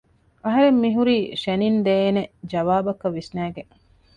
އަހަރެން މިހުރީ ޝެނިން ދޭނެ ޖަވާބަކަށް ވިސްނައިގެން